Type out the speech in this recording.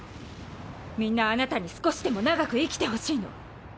みんなあなたに少しでも長く生きてほしいの。